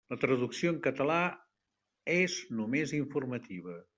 La traducció en català és només informativa.